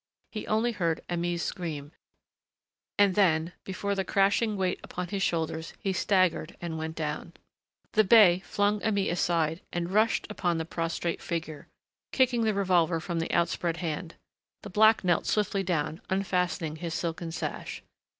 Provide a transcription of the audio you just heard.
He only heard Aimée's scream, and then before the crashing weight upon his shoulders he staggered and went down. The bey flung Aimée aside and rushed upon the prostrate figure, kicking the revolver from the outspread hand. The black knelt swiftly down, unfastening his silken sash.